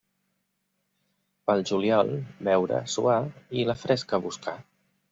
Pel juliol, beure, suar i la fresca buscar.